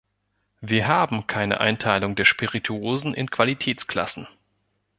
Wir haben keine Einteilung der Spirituosen in Qualitätsklassen.